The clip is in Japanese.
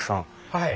はい。